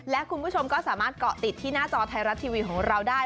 และคุณผู้ชมก็สามารถเกาะติดที่หน้าจอไทยรัฐทีวีของเราได้